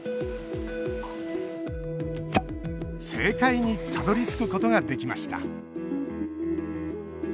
正解にたどりつくことができました。